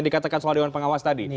dikatakan soal dewan pengawas tadi